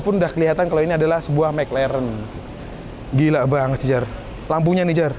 pun udah kelihatan kalau ini adalah sebuah mclaren gila bang sejar lampunya nijar